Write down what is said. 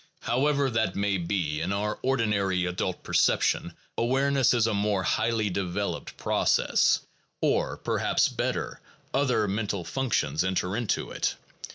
However that may be, in our ordinary adult perception, awareness is a more highly developed process, or perhaps better, other mental functions enter into it.